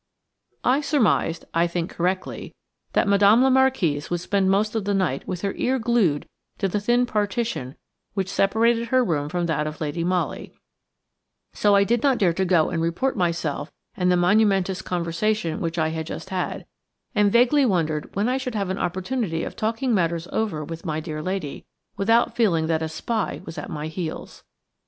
4 I SURMISED–I think correctly–that Madame la Marquise would spend most of the night with her ear glued to the thin partition which separated her room from that of Lady Molly; so I did not dare to go and report myself and the momentous conversation which I had just had, and vaguely wondered when I should have an opportunity of talking matters over with my dear lady without feeling that a spy was at my heels.